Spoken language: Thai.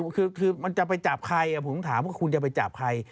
คือมันจะไปจับใครผมถามว่าคุณจะไปจับใคร